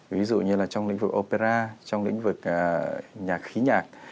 ví dụ như là trong lĩnh vực opera trong lĩnh vực nhạc khí nhạc